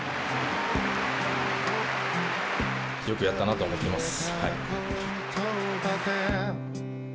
よくやったなと思ってます。